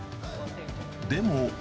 でも。